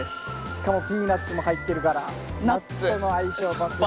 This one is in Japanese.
しかもピーナツも入ってるからナッツとの相性抜群。